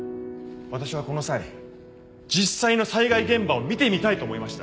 私はこの際実際の災害現場を見てみたいと思いました。